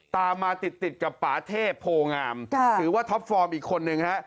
ตามมาติดติดกับป่าเทพโพงามหรือว่าท็อปฟอร์มอีกคนนึงฮะ